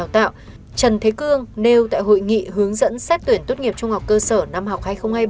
trần thế cương nêu tại hội nghị hướng dẫn xét tuyển tốt nghiệp trung học cơ sở năm học hai nghìn hai mươi hai nghìn hai mươi năm